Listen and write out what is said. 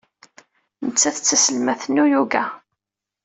Nettat d taselmadt n uyuga.